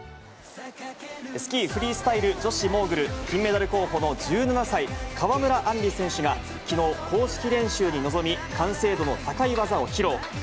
スキーフリースタイル女子モーグル、金メダル候補の１７歳、川村あんり選手が、きのう、公式練習に臨み、完成度の高い技を披露。